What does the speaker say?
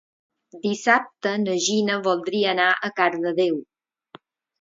Dissabte na Gina voldria anar a Cardedeu.